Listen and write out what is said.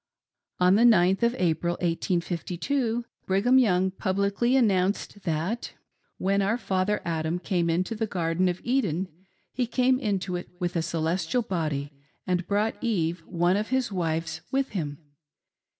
On the 9th of April, 1852, Brigham Young publicly announced that —« When our father Adam came into the Garden of Eden, he came into it with a celestial body, and brought Eve, one of his wives, with him.